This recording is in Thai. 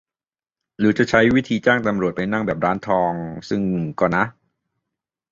หรือจะใช้วิธีจ้างตำรวจไปนั่ง แบบร้านทอง ? ซึ่งก็ นะ